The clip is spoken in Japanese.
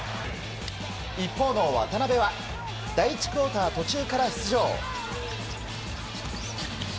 一方の渡邊は第１クオーター途中から出場。